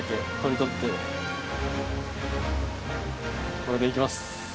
これでいきます。